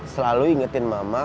selalu ingetin mama